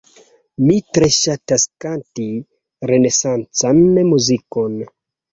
Mi tre ŝatas kanti renesancan muzikon.